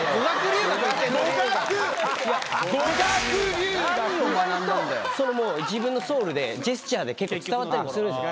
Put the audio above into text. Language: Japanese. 意外ともう自分のソウルでジェスチャーで結構伝わったりもするんですよ。